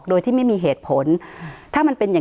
สนุนโดยทีโพพิเศษถูกอนามัยสะอาดใสไร้คราบ